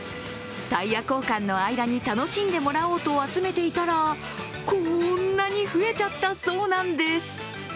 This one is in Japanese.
タイヤ交換の間に楽しんでもらおうと集めていたら、こんなに増えちゃったそうなんです。